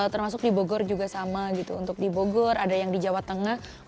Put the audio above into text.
termasuk di bogor juga sama gitu untuk di bogor ada yang di jawa tengah